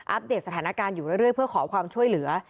เดตสถานการณ์อยู่เรื่อยเพื่อขอความช่วยเหลือ